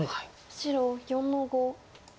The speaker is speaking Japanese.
白４の五。